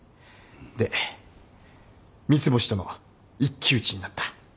で三ツ星との一騎打ちになった。